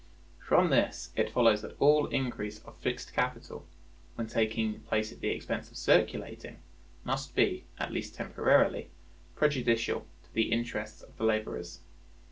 From this it follows that all increase of fixed capital, when taking place at the expense of circulating, must be, at least temporarily, prejudicial to the interests of the laborers.